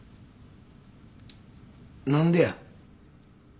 何でや？